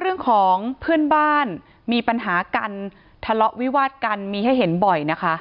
เรื่องของเพื่อนบ้านมีปัญหากันทะเลาะวิวาดกันมีให้เห็นบ่อยนะคะ